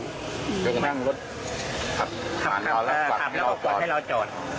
ขับให้เราจอด